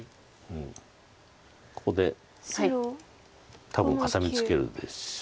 ここで多分ハサミツケるでしょう。